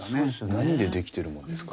何でできてるものですか？